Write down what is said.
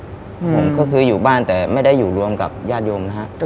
ผมก็คืออยู่บ้านแต่ไม่ได้อยู่รวมกับญาติโยมนะฮะ